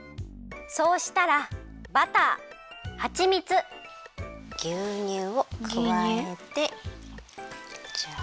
そうしたらバターはちみつぎゅうにゅうをくわえてジャ。